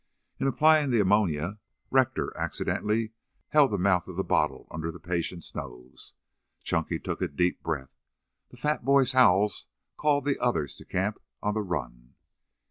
In applying the ammonia, Rector accidentally held the mouth of the bottle under the patient's nose. Chunky took a deep breath. The fat boy's howls called the others to camp on the run.